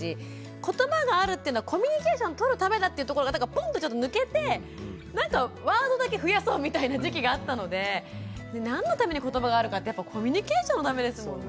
ことばがあるっていうのはコミュニケーションとるためだっていうところがポンとちょっと抜けてなんかワードだけ増やそうみたいな時期があったので何のためにことばがあるかってやっぱコミュニケーションのためですもんね。